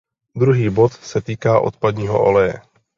Druhý bod se týká odpadního oleje.